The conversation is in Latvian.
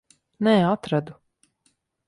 Nē, atradu.